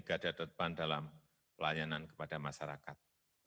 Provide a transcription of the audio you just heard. gada terdepan dalam pelayanan kepada masyarakat